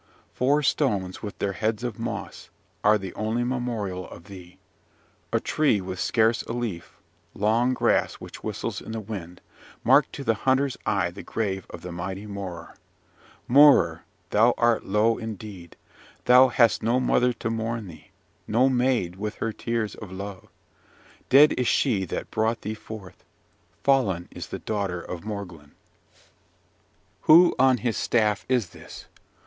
Four stones, with their heads of moss, are the only memorial of thee. A tree with scarce a leaf, long grass which whistles in the wind, mark to the hunter's eye the grave of the mighty Morar. Morar! thou art low indeed. Thou hast no mother to mourn thee, no maid with her tears of love. Dead is she that brought thee forth. Fallen is the daughter of Morglan. "Who on his staff is this?